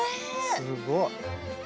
すごい。